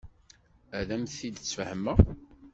Ad am-t-id-sfehmeɣ.